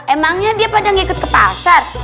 emangnya dia pada ngikut ke pasar